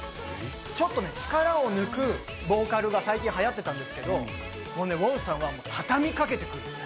ちょっと力を抜くボーカルが最近流行ってたんですけど、ＷＯＮさんは畳み掛けてくる。